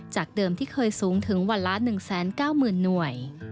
จากเดิมที่เคยสูงถึงวันละ๑๙๐๐๐หน่วย